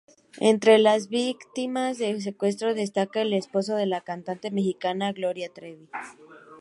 Entre las víctimas de secuestro destaca el esposo de la cantante Mexicana Gloria Trevi.